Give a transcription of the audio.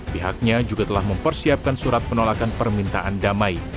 pihaknya juga telah mempersiapkan surat penolakan permintaan damai